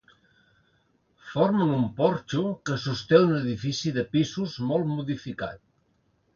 Formen un porxo que sosté un edifici de pisos molt modificat.